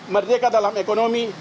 merdeka dalam ekonomi